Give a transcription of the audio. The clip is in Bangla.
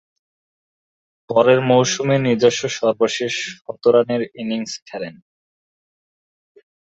পরের মৌসুমে নিজস্ব সর্বশেষ শতরানের ইনিংস খেলেন।